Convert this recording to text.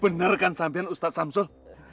bener kan sambian ustadz samsul